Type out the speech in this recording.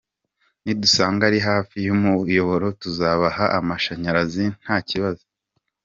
Nidusanga ari hafi y’umuyoboro tuzabaha amashanyarazi nta kibazo.